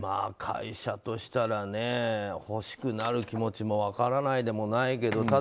会社としたらね欲しくなる気持ちも分からないでもないけど